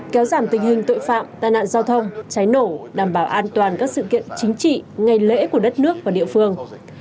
kéo giảm tình hình tội phạm tai nạn giao thông cháy nổ đảm bảo an toàn các sự kiện chính trị ngày lễ của đất nước và địa phương